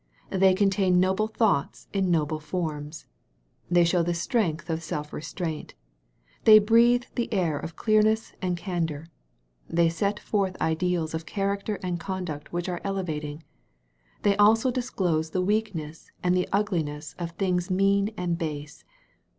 They contain noble thoughts in noble forms. They show the strength of self restraint. They breathe the air of clearness and candor. They set forth ideals of character and conduct which are elevating. They also disclose the weakness and the ugliness of things mean and base.